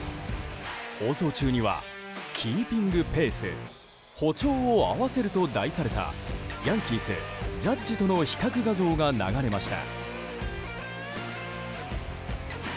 放送中には「ＫＥＥＰＩＮＧＰＡＣＥ」歩調を合わせると題されたヤンキース、ジャッジとの比較画像が流れました。